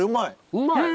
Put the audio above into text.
うまい！